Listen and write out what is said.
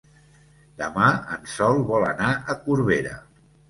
Demà en Sol vol anar a Corbera.